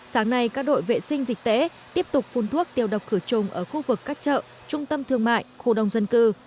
sáng nay các đội vệ sinh dịch tễ tiếp tục phun thuốc tiêu độc khử trùng ở khu vực các chợ trung tâm thương mại khu đông dân cư